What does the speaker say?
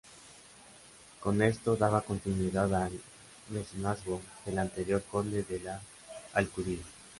Con esto daba continuidad al mecenazgo del anterior conde de la Alcudia.